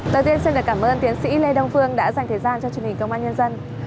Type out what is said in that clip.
tất nhiên xin cảm ơn tiến sĩ lê đông phương đã dành thời gian cho chương trình công an nhân dân